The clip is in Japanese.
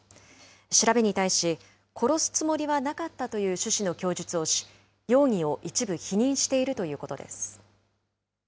調べに対し、殺すつもりはなかったという趣旨の供述をし、容疑を一部否認しているということです。